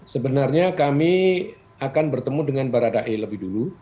sebenarnya kami akan bertemu dengan baradae lebih dulu